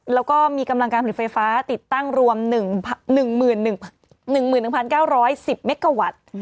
แล้วก็มีกำลังการผลิตไฟฟ้าติดตั้งรวม๑๑๙๑๐เมกาวัตต์